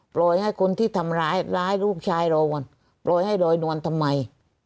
ปล่อยให้คนที่ทำร้ายร้ายลูกชายเราก่อนปล่อยให้ลอยนวลทำไม